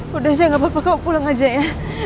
sudah saya tidak apa apa kamu pulang saja ya